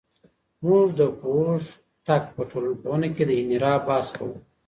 موږ د کوږتګ په ټولنپوهنه کې د انحراف بحث کوو.